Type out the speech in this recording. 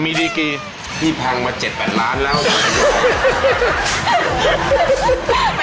มีดีกี่พี่พังมาเจ็ดแปดล้านแล้ว